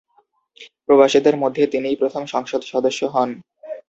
প্রবাসীদের মধ্যে তিনিই প্রথম সংসদ সদস্য হোন।